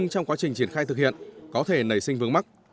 sai thực hiện có thể nảy sinh vướng mắt